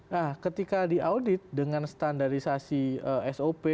nah ketika diaudit dengan standarisasi sop